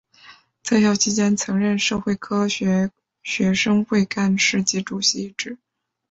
在校期间曾任社会科学学会干事及主席一职。